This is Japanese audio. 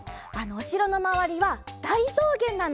おしろのまわりはだいそうげんなの。